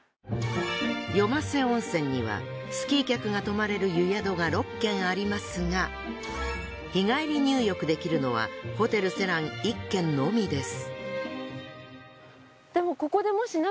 よませ温泉にはスキー客が泊まれる湯宿が６軒ありますが日帰り入浴できるのはホテルセラン１軒のみです。